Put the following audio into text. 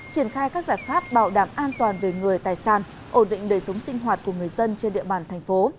triển khai các giải pháp bảo đảm an toàn về người tài sản ổn định đời sống sinh hoạt của người dân trên địa bàn thành phố